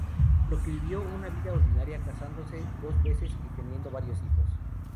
Por lo que vivió una vida ordinaria, casándose dos veces y teniendo varios hijos.